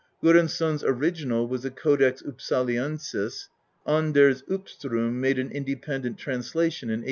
Goransson's original was the Codex Upsaliensis. Anders Uppstrom made an independent translation in 1859.